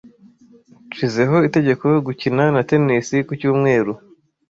Nshizeho itegeko gukina na tennis Ku cyumweru.